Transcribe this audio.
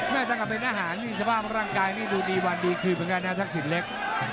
แม้ตั้งกับเป็นอาหารมีสบายร่างกายดีวันดีคืนเป็นไงนะทักษิตเล็ก